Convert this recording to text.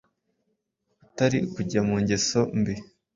butari ukujya mu ngeso mbi.